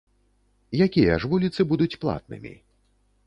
Якія ж вуліцы будуць платнымі?